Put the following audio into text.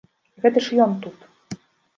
Гэта ж ён тут!